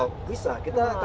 betul betul bisa kita